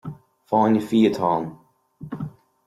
Fáinne fí atá ann.